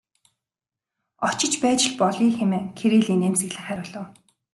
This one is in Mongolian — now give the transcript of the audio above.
Очиж байж л болъё хэмээн Кирилл инээмсэглэн хариулав.